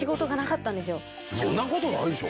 そんなことないでしょ？